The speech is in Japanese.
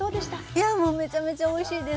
いやもうめちゃめちゃおいしいです。